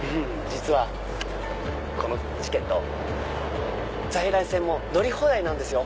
実はこのチケット在来線も乗り放題なんですよ。